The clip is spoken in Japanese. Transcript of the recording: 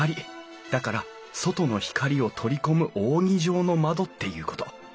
だから外の光を採り込む扇状の窓っていうこと。